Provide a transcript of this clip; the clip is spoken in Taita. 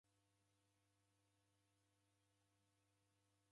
Obwaghwa nakio kibaa.